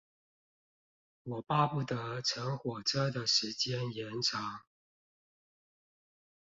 我巴不得乘火車的時間延長